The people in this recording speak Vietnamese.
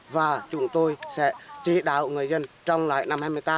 và chúng tôi sẽ trị đạo người dân trong lại năm hai mươi tám